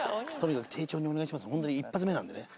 ほんとに一発目なんでね